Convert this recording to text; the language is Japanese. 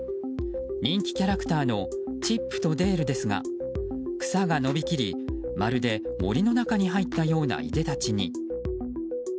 人気キャラクターのチップとデールですが草が伸び切り、まるで森の中に入ったような、いでたちに。